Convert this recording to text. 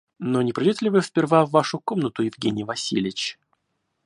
Но не пройдете ли вы сперва в вашу комнату, Евгений Васильич?